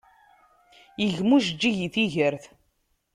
Yegma ujeǧǧig i tigert.